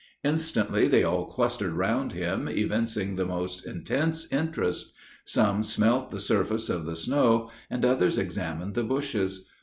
Instantly they all clustered round him, evincing the most intense interest. Some smelt the surface of the snow, and others examined the bushes.